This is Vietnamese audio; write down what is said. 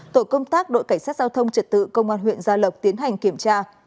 tổ công tác đội cảnh sát giao thông trật tự công an huyện gia lộc tiến hành kiểm tra